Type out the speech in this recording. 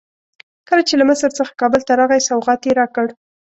کله چې له مصر څخه کابل ته راغی سوغات یې راکړ.